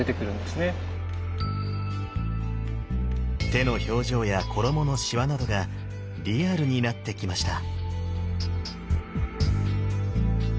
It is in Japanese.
手の表情や衣のしわなどがリアルになってきました。